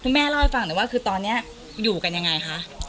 แม่เล่าให้ฟังหน่อยว่าคือตอนนี้อยู่กันยังไงคะ